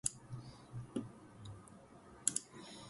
Thank you for your service, and happy Defender of the Fatherland Day!